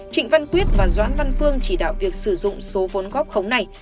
trịnh văn quyết và doãn văn phương chỉ đạo việc sử dụng số vốn góp khống này